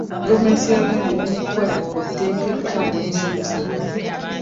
Gavumenti ya Uganda eri mu kukola ku tteeka eppya mu bisomesebwa.